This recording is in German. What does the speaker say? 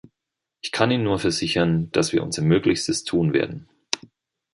Ich kann Ihnen nur versichern, dass wir unser Möglichstes tun werden.